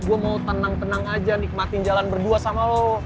gue mau tenang tenang aja nikmatin jalan berdua sama lo